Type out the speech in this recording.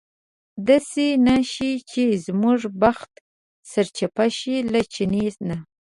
داسې نه شي چې زموږ بخت سرچپه شي له چیني نه.